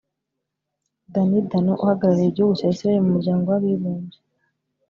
Danny Danon uhagarariye igihugu cya Israel mu Muryango w’Abibumbye